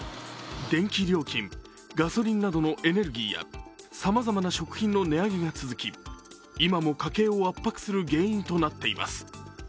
電気料金、ガソリンなどのエネルギーやさまざまな食品の値上げが続き、今も家計を圧迫する原因となっています。